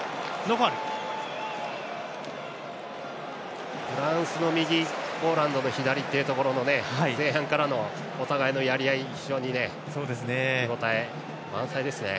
フランスの右ポーランドの左という前半からのお互いのやり合いは非常に見応え満載ですね。